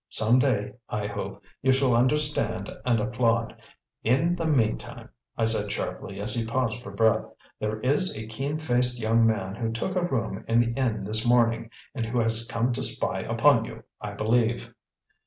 Some day, I hope, you shall understand and applaud! In the meantime " "In the meantime," I said sharply, as he paused for breath, "there is a keen faced young man who took a room in the inn this morning and who has come to spy upon you, I believe."